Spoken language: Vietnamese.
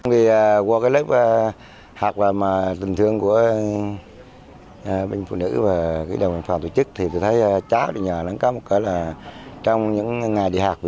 về cái đồng hành phòng tổ chức thì tôi thấy cháu thì nhờ nó có một cái là trong những ngày đi học